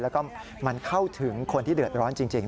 แล้วก็มันเข้าถึงคนที่เดือดร้อนจริง